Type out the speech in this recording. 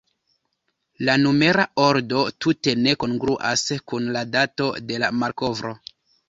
La numera ordo tute ne kongruas kun la dato de la malkovro.